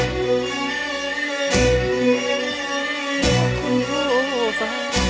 ของที่๔มูลค่า๔๐๐๐๐บาท